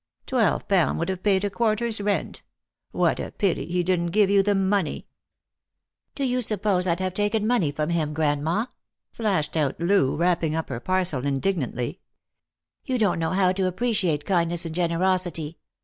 Twelve pound would have paid a quarter's rent. What a pity he didn't give you the money !"" Do you suppose I'd have taken money from him, grand ma P" flashed out Loo, wrapping up her parcel indignantly. "You don't know how to appreciate kindness and generosity.